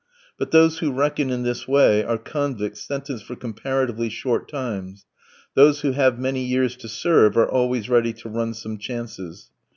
But those who reckon in this way are convicts sentenced for comparatively short times; those who have many years to serve are always ready to run some chances.